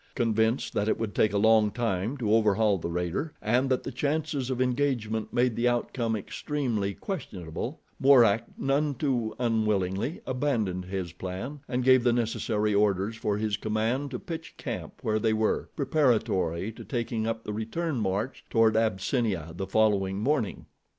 Convinced that it would take a long time to overhaul the raider, and that the chances of engagement made the outcome extremely questionable, Mourak, none too unwillingly, abandoned his plan and gave the necessary orders for his command to pitch camp where they were, preparatory to taking up the return march toward Abyssinia the following morning.